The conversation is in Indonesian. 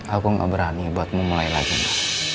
aku gak berani buatmu mulai lagi ma